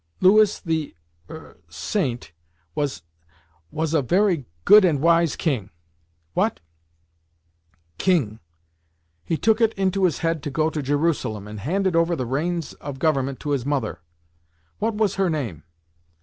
"Louis the er Saint was was a very good and wise king." "What?" "King, He took it into his head to go to Jerusalem, and handed over the reins of government to his mother." "What was her name?